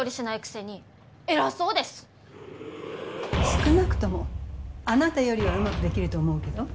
少なくともあなたよりはうまくできると思うけど。